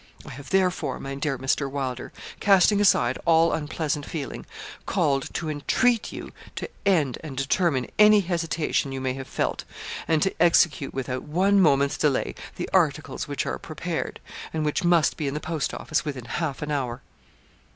I have, therefore, my dear Mr. Wylder, casting aside all unpleasant feeling, called to entreat you to end and determine any hesitation you may have felt, and to execute without one moment's delay the articles which are prepared, and which must be in the post office within half an hour.'